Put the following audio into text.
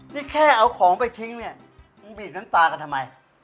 นี่แค่เอาของไปทิ้งก็มีหน้าหมาทำไม